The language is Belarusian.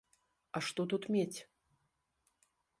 А што тут мець?